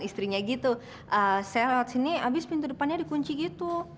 istrinya gitu saya lewat sini habis pintu depannya dikunci gitu